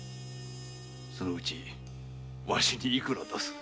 そのうちわしに幾ら出す？